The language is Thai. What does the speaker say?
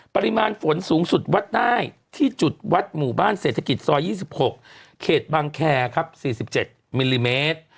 ปริมาณฝนสูงสุดวัดได้ที่จุดวัดหมู่บ้านเศรษฐกิจซอย๒๖เขตบังแคร์ครับ๔๗มิลลิเมตร